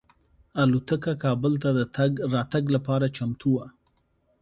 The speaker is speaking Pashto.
الوتکه کابل ته د راتګ لپاره چمتو وه.